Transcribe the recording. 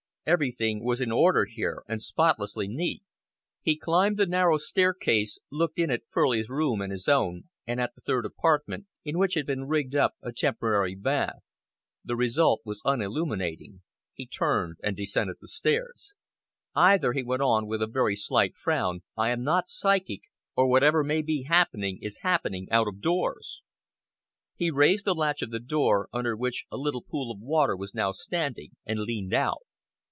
Everything was in order here and spotlessly neat. He climbed the narrow staircase, looked in at Furley's room and his own, and at the third apartment, in which had been rigged up a temporary bath. The result was unilluminating. He turned and descended the stairs. "Either," he went on, with a very slight frown, "I am not psychic, or whatever may be happening is happening out of doors." He raised the latch of the door, under which a little pool of water was now standing, and leaned out.